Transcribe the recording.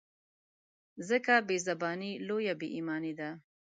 ځکه بې زباني لویه بې ایماني ده.